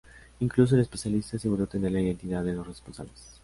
Incluso, el especialista aseguró tener la identidad de los responsables.